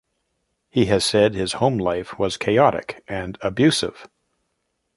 He has said his home life was "chaotic" and "abusive.